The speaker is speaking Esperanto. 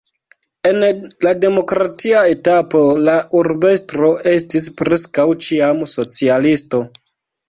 En la demokratia etapo la urbestro estis preskaŭ ĉiam socialisto.